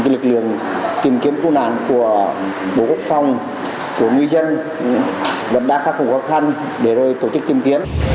lực lượng tìm kiếm cứu nạn của bộ quốc phòng của người dân đầm đa khắc cũng khó khăn để rồi tổ chức tìm kiếm